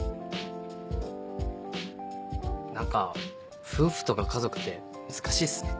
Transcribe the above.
何か夫婦とか家族って難しいっすね。